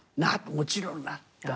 もちろんなった。